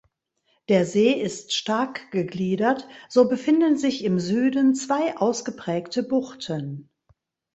Der See ist stark gegliedert, so befinden sich im Süden zwei ausgeprägte Buchten.